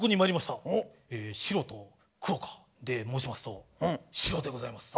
白と黒かで申しますと「しろ」でございます。